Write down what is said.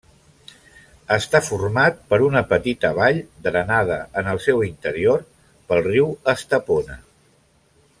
Està format per una petita vall drenada en el seu interior pel riu Estepona.